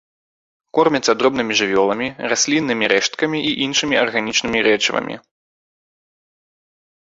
Кормяцца дробнымі жывёламі, расліннымі рэшткамі і іншымі арганічнымі рэчывамі.